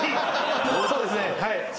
そうですねはい。